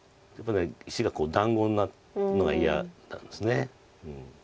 石が団子になるのが嫌なんです。